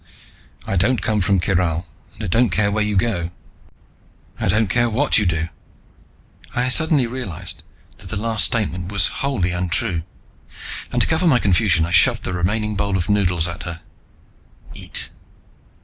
"I don't come from Kyral, and I don't care where you go. I don't care what you do." I suddenly realized that the last statement was wholly untrue, and to cover my confusion I shoved the remaining bowl of noodles at her. "Eat."